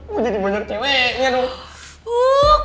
lu jadi banyak cewek